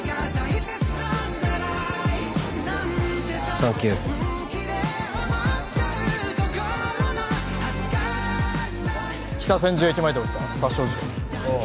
サンキュー北千住駅前で起きた殺傷事件ああ